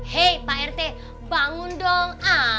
hei pak rt bangun dong a